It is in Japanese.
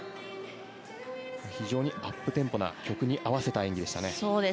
非常にアップテンポな曲に合わせた演技でした。